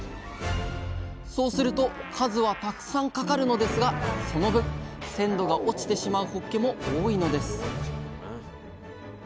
そうすると数はたくさんかかるのですがその分鮮度が落ちてしまうほっけも多いのです